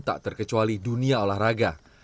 tak terkecuali dunia olahraga